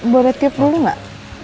boleh tiup dulu enggak